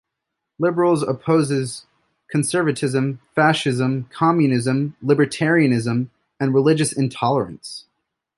Liberales opposes conservativism, fascism, communism, libertarianism, and religious intolerance.